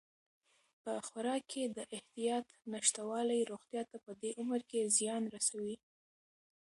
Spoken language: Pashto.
په خوراک کې د احتیاط نشتوالی روغتیا ته په دې عمر کې زیان رسوي.